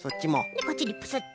こっちにプスッと。